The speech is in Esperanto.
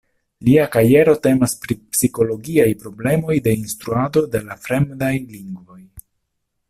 Lia kajero temas pri psikologiaj problemoj de instruado de la fremdaj lingvoj.